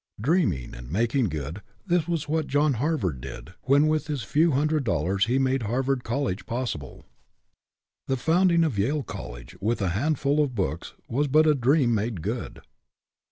Dreaming and making good, this was what John Harvard did when with his few 'hundred dollars he made Harvard College possible. The founding of Yale College with a handful of books was but a dream made good.